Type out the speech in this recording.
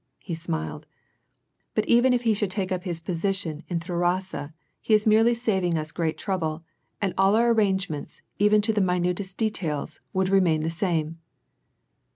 He smiled. But even if he should take up his position in Thtlrassa he is merely saving us great trouble, and all our arrangements, even to the minutest details, would remain the same."